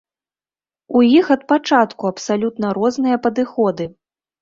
У іх ад пачатку абсалютна розныя падыходы.